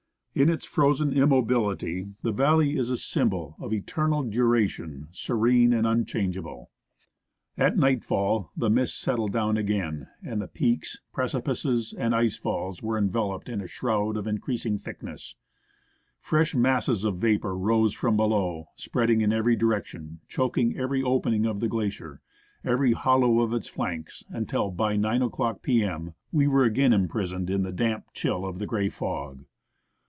In its frozen immobility the valley is a symbol of eternal duration, serene and unchangeable. At nightfall the mist settled down again, and peaks, preci pices, and ice falls were enveloped in a shroud of increasing thick ness. Fresh masses of vapour rose from below, spreading in every direction, choking every opening of the glacier, every hollow of its 138 NEWTON GLACIER flanks, until by 9 o'clock p.m. we were again imprisoned in the damp chill of the grey fog.